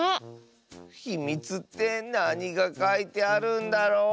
ひみつってなにがかいてあるんだろう？